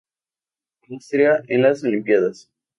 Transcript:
Austria en las Olimpíadas